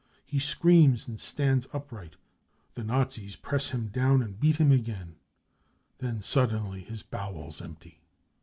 He screams and stands upright ; the Nazis press him down and beat him again. Then suddenly his bowels empty.